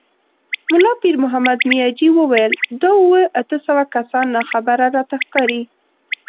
ملا پيرمحمد مياجي وويل: دا اووه، اته سوه کسان ناخبره راته ښکاري.